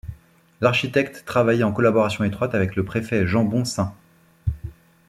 L'architecte travaillait en collaboration étroite avec le préfet Jeanbon St.